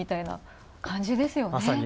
感じですよね。